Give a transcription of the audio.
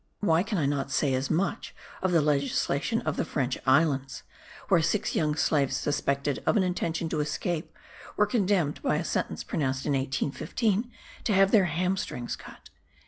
Why can I not say as much of the legislation of the French islands, where six young slaves, suspected of an intention to escape, were condemned, by a sentence pronounced in 1815, to have their hamstrings cut!)